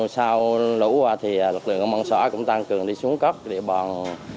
sau lũ qua thì lực lượng mong xóa cũng tăng cường đi xuống cấp địa bòn